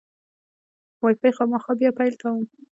وای فای خامخا بیا پیل کوم.